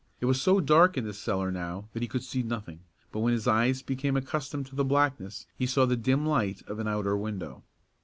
It was so dark in the cellar now that he could see nothing, but when his eyes became accustomed to the blackness he saw the dim light of an outer window.